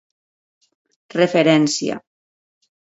Referència: